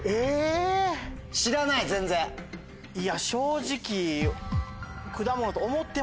いや正直。